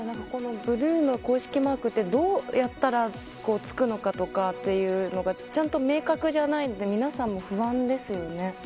ブルーの公式マークってどうやったら付くのかというのがちゃんと明確じゃないので皆さんも不安ですよね。